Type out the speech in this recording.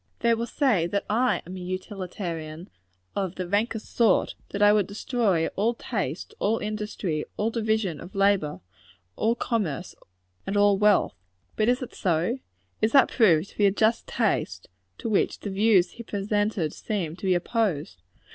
They will say that I am a utilitarian, of the rankest sort; that I would destroy all just taste, all industry, all division of labor, all commerce, and all wealth. But is it so? Is that proved to be a just taste, to which the views here presented seem to be opposed?